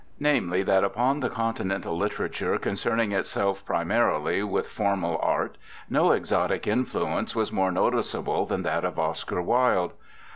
Namely, that upon the continental liter ature concerning itself primarily with formal art no exotic influence was more noticeable than that of Oscar Wilde.